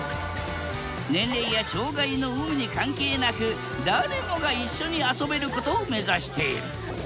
年齢や障害の有無に関係なく誰もが一緒に遊べることを目指している。